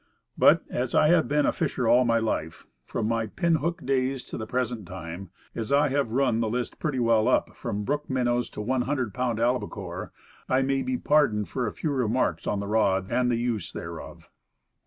But, as I have been a fisher all my life, from my pin hook days to the present time; as I have run the list pretty well up, from brook minnows to ioo pound albacores, I may be pardoned for a few remarks on the rod and the use thereof.